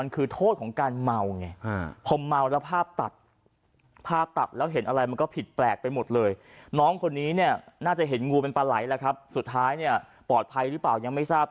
น้องคนนี้น่าจะเห็นงูเป็นปลาไหล่แล้วครับสุดท้ายปลอดภัยหรือเปล่ายังไม่ทราบ